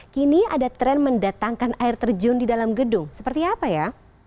kini ada tren mendatangkan air terjun di dalam gedung seperti apa ya